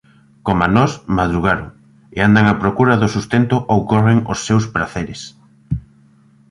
Coma nós, madrugaron, e andan á procura do sustento ou corren ós seus praceres.